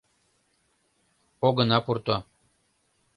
Огына пурто.